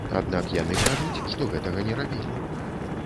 Аднак яны кажуць, што гэтага не рабілі.